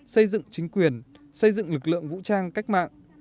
xây dựng chính quyền xây dựng lực lượng vũ trang cách mạng